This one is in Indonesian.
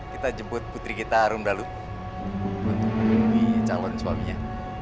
kita jemput putri kita arum dalu untuk menjadi calon suaminya